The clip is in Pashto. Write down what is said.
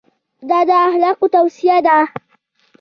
دا د اخلاقو توصیه ده.